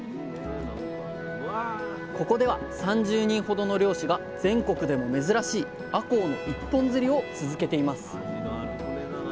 ここでは３０人ほどの漁師が全国でも珍しいあこうの一本釣りを続けています。